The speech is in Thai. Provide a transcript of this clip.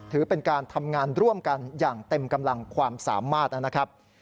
ถือเป็นการทำงานร่วมกันอย่างเต็มกำลังความสามารถนะครับ